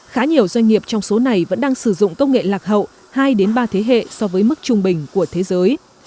khá nhiều doanh nghiệp trong số này vẫn đang sử dụng công nghệ lạc hậu hai ba thế hệ so với mức trung bình của thế giới